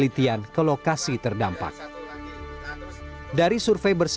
di mana digunakan diri untuk membproduct